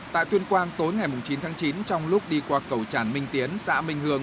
tại tuyên quang tối ngày chín tháng chín trong lúc đi qua cầu tràn minh tiến xã minh hương